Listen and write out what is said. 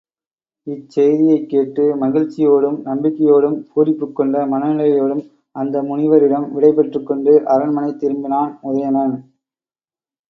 இச் செய்தியைக் கேட்டு மகிழ்ச்சியோடும் நம்பிக்கையோடும் பூரிப்புக் கொண்ட மனநிலையோடும் அந்த முனிவரிடம் விடைபெற்றுக்கொண்டு அரண்மனை திரும்பினான் உதயணன்.